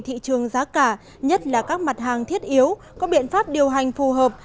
thị trường giá cả nhất là các mặt hàng thiết yếu có biện pháp điều hành phù hợp